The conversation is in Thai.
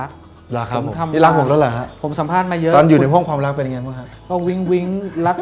สวัสดีครับผมซันนี่ส่วนแทนนุ้นครับ